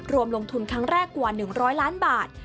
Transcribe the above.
รวมลงทุนครั้งแรกกว่า๑๐๐ล้านบาท